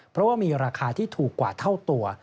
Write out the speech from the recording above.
เพราะว่ามีราคาที่ถูกกว่าเท่าตัว